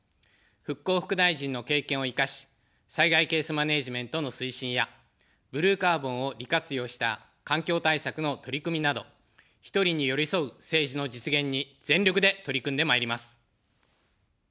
復興副大臣の経験を生かし、災害ケースマネジメントの推進や、ブルーカーボンを利活用した環境対策の取り組みなど、１人に寄り添う政治の実現に全力で取り組んでまいります。